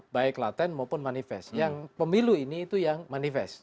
baik laten maupun manifest yang pemilu ini itu yang manifest